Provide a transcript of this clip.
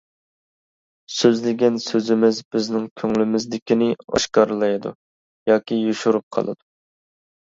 سۆزلىگەن سۆزىمىز بىزنىڭ كۆڭلىمىزدىكىنى ئاشكارىلايدۇ ياكى يوشۇرۇپ قالىدۇ.